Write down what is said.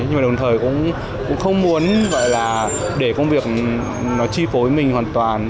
nhưng mà đồng thời cũng không muốn vậy là để công việc nó chi phối mình hoàn toàn